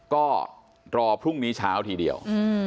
ก็รอพรุ่งนี้เช้าทีเดียว